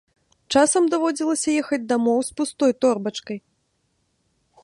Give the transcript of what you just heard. Часам даводзілася ехаць дамоў з пустой торбачкай.